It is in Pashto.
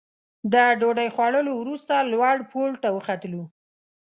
د ډوډۍ خوړلو وروسته لوړ پوړ ته وختلو.